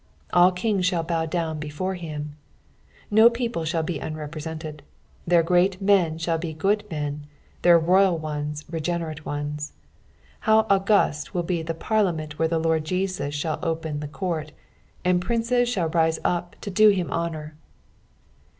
" All kings shall bow dowu before him.'' No people shalT be unrepresented ; their great men shall be good men, their royal ones regenerate ones. How august will be the parlisment where the Loid Jesus shall open the court, and princes shall rise up to do him honour!